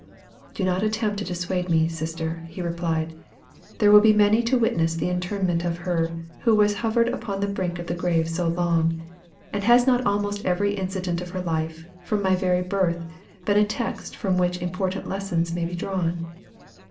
"Do not attempt to dissuade me, sister," he replied. "There will be many to witness the interment of her who has hovered upon the brink of the grave so long; and has not almost every incident of her life, from my very birth, been a text from which important lessons may be drawn?"